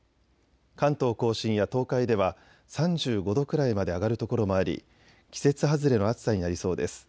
関東甲信や東海では３５度くらいまで上がる所もあり季節外れの暑さになりそうです。